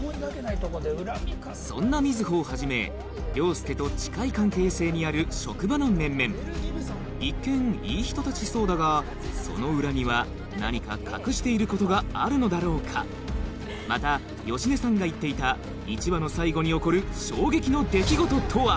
そんな瑞穂をはじめ凌介と近い関係性にある職場の面々一見いい人たちそうだがその裏には何か隠していることがあるのだろうかまた芳根さんが言っていた１話の最後に起こる衝撃の出来事とは？